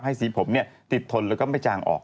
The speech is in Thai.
สีผมติดทนแล้วก็ไม่จางออก